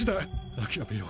諦めよう